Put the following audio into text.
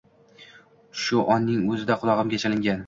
Shu onning oʻzida qulogʻiga chalingan.